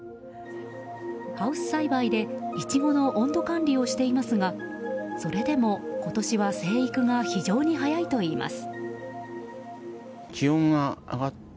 ハウス栽培でイチゴの温度管理をしていますがそれでも今年は生育が非常に速いといいます。